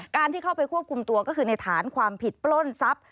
ที่เข้าไปควบคุมตัวก็คือในฐานความผิดปล้นทรัพย์